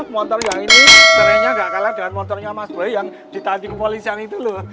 motor yang ini seringnya nggak kalah dengan motornya mas boy yang ditanti kepolisian itu loh